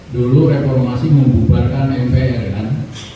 dulu reformasi membubarkan mpr kan